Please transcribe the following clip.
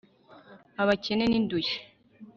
abakene n'indushyi